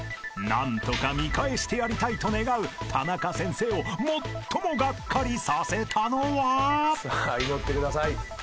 ［何とか見返してやりたいと願うタナカ先生を最もがっかりさせたのは？］さあ祈ってください。